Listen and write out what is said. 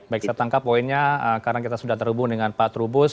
baik saya tangkap poinnya karena kita sudah terhubung dengan pak trubus